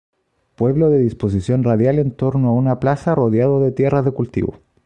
Pueblo de disposición radial en torno a una plaza rodeado de tierras de cultivo.